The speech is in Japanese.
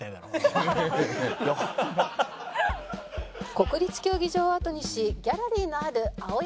国立競技場をあとにしギャラリーのある青山方面へ